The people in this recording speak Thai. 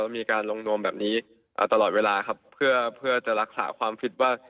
แล้วมีการลงนวมแบบนี้เอ่อตลอดเวลาครับเพื่อเพื่อจะรักษาความฟิตว่า